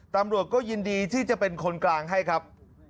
ตำรวจก็ยินดีที่จะเป็นคนกลางให้ครับ